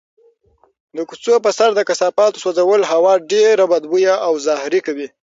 د کوڅو په سر د کثافاتو سوځول هوا ډېره بدبویه او زهري کوي.